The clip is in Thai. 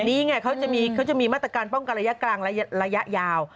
นี่ไงเขาจะมีมาตรการป้องกันระยะกลางระยะยาว